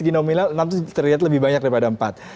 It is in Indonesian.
enam itu terlihat lebih banyak daripada empat